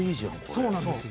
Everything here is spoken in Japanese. そうなんですよ